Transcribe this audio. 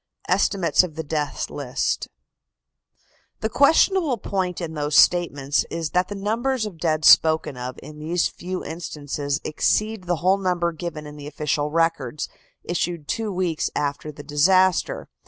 ESTIMATES OF THE DEATH LIST. The questionable point in those statements is that the numbers of dead spoken of in these few instances exceed the whole number given in the official records issued two weeks after the disaster.